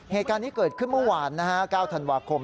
เหตุการณ์นี้เกิดขึ้นเมื่อวาน๙ธันวาคม